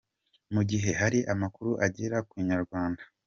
Mu gihe hari amakuru agera ku Inyarwanda.